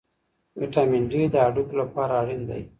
ویټامن ډي د هډوکو لپاره اړین دی.